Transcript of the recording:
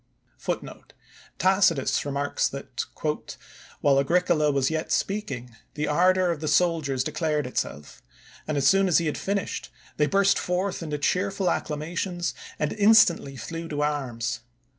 « Tacitus remarks that, " While Agricola was yet speaking, the ardor of the soldiers declared itself ; and as soon as he had finished, they burst forth into cheerful acclamations, and instantly flew to arms.